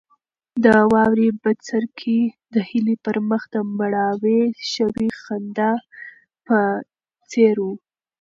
د واورې بڅرکي د هیلې پر مخ د مړاوې شوې خندا په څېر وو.